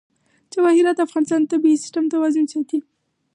جواهرات د افغانستان د طبعي سیسټم توازن ساتي.